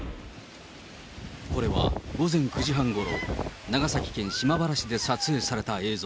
これは午前９時半ごろ、長崎県島原市で撮影された映像。